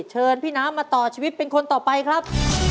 เชิญพี่น้ำมาต่อชีวิตเป็นคนต่อไปครับ